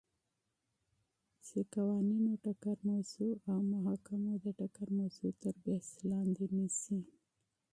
چی قوانینو ټکر موضوع او محاکمو د ټکر موضوع تر بحث لاندی نیسی ،